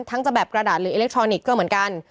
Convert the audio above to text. จะแบบกระดาษหรืออิเล็กทรอนิกส์ก็เหมือนกัน